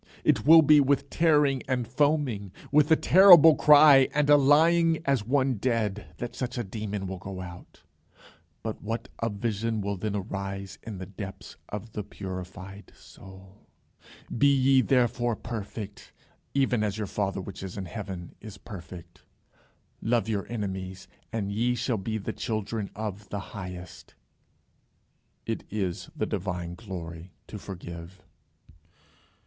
It will be with tearing and foaming, with a terrible cry and a lying as one dead, that such a demon will go out. But what a vision will then arise in the depths of the purified soul! "Be ye therefore perfect, even as your father which is in heaven is perfect." "Love your enemies, and ye shall be the children of the highest." It is the divine glory to forgive.